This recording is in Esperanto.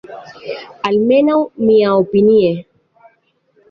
Almenaŭ, miaopinie.